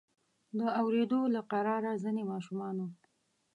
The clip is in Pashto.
د اوریدو له قراره ځینې ماشومانو.